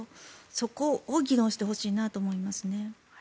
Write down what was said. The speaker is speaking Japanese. そこを議論してほしいなと思いますね。